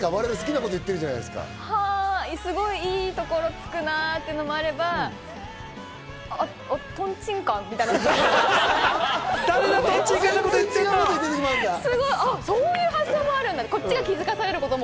すごくいいところをつくなぁというのもあれば、とんちんかん？みたいなところも。